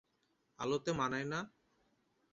আলোতে মানায় না?